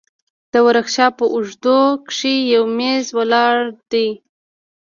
د ورکشاپ په اوږدو کښې يو اوږد مېز ولاړ دى.